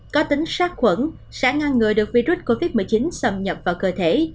có tính sát khuẩn sẽ ngăn ngừa được virus covid một mươi chín xâm nhập vào cơ thể